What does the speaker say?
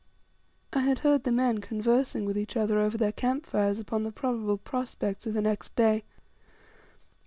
I had heard the men conversing with each other over their camp fires upon the probable prospects of the next day.